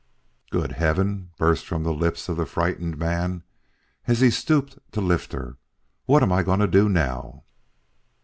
"Good heaven!" burst from the lips of the frightened man as he stooped to lift her. "What am I going to do now?"